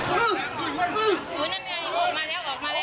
อื้ออืออุ่นนั่นมันอีกงานมาแล้วออกมาแล้ว